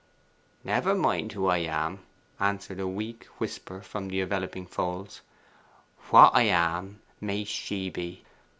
'Never mind who I am,' answered a weak whisper from the enveloping folds. 'WHAT I am, may she be!